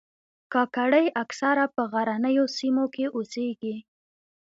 کاکړي اکثره په غرنیو سیمو کې اوسیږي.